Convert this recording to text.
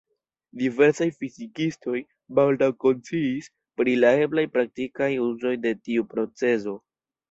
Diversaj fizikistoj baldaŭ konsciis pri la eblaj praktikaj uzoj de tiu procezo.